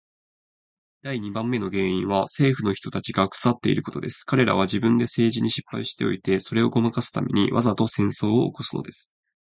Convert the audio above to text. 第二番目の原因は政府の人たちが腐っていることです。彼等は自分で政治に失敗しておいて、それをごまかすために、わざと戦争を起すのです。